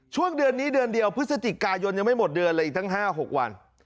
ช่วงเดือนนี้เดือนเดียวพฤศจิกายนยังไม่หมดเดือนเลยอีกทั้ง๕๖วัน